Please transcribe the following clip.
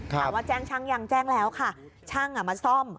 แจ้งช่างยังแจ้งแล้วค่ะช่างมาซ่อม